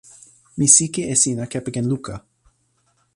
mi sike e sina kepeken luka.